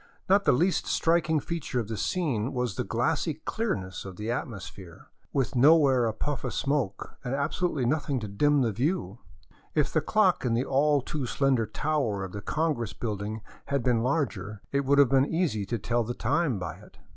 Not the least striking feature of the scene was the glassy clearness of the atmosphere, with nowhere a puff of smoke, and abso lutely nothing to dim the view ; if the clock in the all too slender tower of the congress building had been larger, it would have been easy to tell the time by it.